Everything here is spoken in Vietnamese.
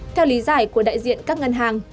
theo lý giải của đại diện các ngân hàng